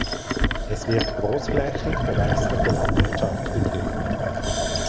Es wird großflächig bewässerte Landwirtschaft betrieben.